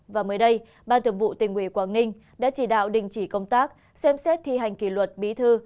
và mới đây ban thường vụ tỉnh ủy quảng ninh đã chỉ đạo đình chỉ công tác xem xét thi hành kỷ luật bí thư